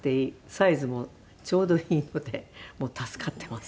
サイズもちょうどいいので助かっています。